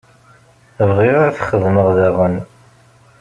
Bɣiɣ ad t-xedmeɣ daɣen.